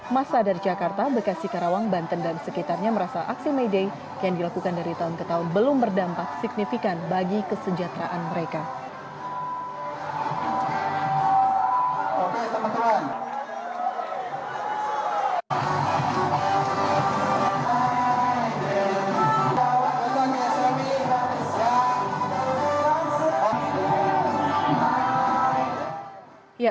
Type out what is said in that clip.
masa dari jakarta bekasi karawang banten dan sekitarnya merasa aksi mayday yang dilakukan dari tahun ke tahun belum berdampak signifikan bagi kesejahteraan mereka